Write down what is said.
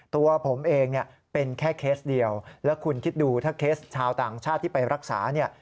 ตัวผมเองเนี่ยเป็นแค่เคสเดียวแล้วคุณคิดดูถ้าเคสชาวต่างชาติที่ไปรักษาเนี่ย